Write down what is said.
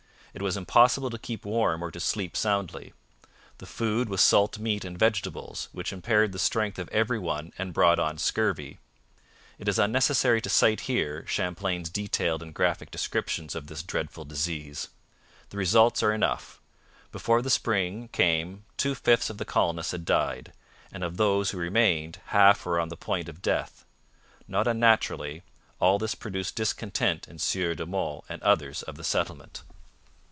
It was impossible to keep warm or to sleep soundly. The food was salt meat and vegetables, which impaired the strength of every one and brought on scurvy. It is unnecessary to cite here Champlain's detailed and graphic description of this dreadful disease. The results are enough. Before the spring came two fifths of the colonists had died, and of those who remained half were on the point of death. Not unnaturally, 'all this produced discontent in Sieur de Monts and others of the settlement.'